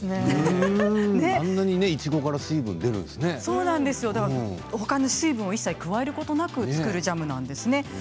あんなにいちごからほかの成分を一切加えることなく作る、ジャムなんですね。